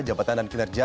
jabatan dan kinerja